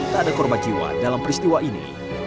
tak ada korban jiwa dalam peristiwa ini